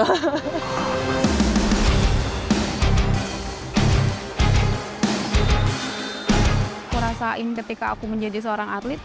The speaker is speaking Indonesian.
aku rasain ketika aku menjadi seorang atlet